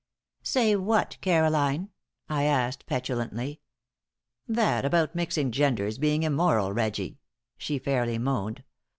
"Say what, Caroline?" I asked, petulantly. "That about mixing genders being immoral, Reggie," she fairly moaned.